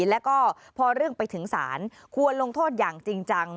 แล้วก็พอเรื่องไปถึงศาลควรลงโทษอย่างจริงจัง